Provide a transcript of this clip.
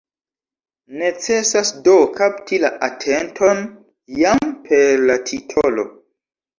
Necesas do kapti la atenton, jam per la titolo.